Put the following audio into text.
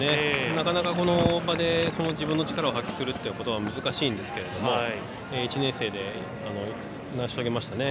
なかなか、この場で自分の力を発揮することは難しいですが１年生で成し遂げましたね。